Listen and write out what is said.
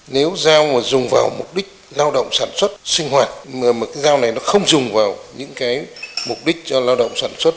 nếu giao dùng vào mục đích lao động sản xuất sinh hoạt mà giao này không dùng vào mục đích lao động sản xuất